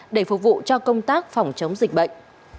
để phục vụ cho công tác phòng chống dịch bệnh